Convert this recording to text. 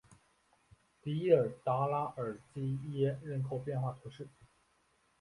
迪尔达拉尔基耶人口变化图示